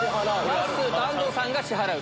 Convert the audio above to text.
まっすーと安藤さんが支払う。